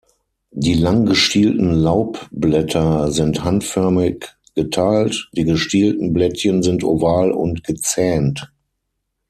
Die lang gestielten Laubblätter sind handförmig geteilt; die gestielten Blättchen sind oval und gezähnt.